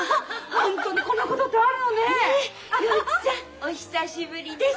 お久しぶりです。